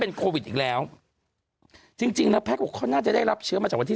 โควิดอีกแล้วจริงจริงแล้วแพทย์บอกเขาน่าจะได้รับเชื้อมาจากวันที่